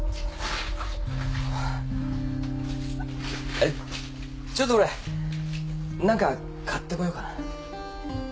あっちょっと俺何か買ってこようかな。